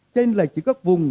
trên lại chỉ có vùng